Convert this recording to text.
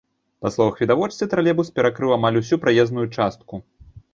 Па словах відавочцы, тралейбус перакрыў амаль усю праезную частку.